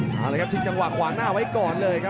มาเลยครับชิงจังหวะขวางหน้าไว้ก่อนเลยครับ